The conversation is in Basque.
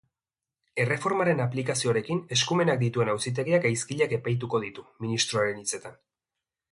Erreformaren aplikazioarekin eskumenak dituen auzitegiak gaizkileak epaituko ditu, ministroaren hitzetan.